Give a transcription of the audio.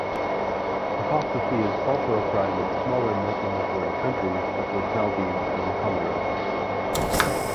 Apostasy is also a crime in smaller Muslim-majority countries such as Maldives and Comoros.